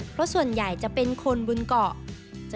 เพราะส่วนใหญ่จะเป็นคนบนเกาะ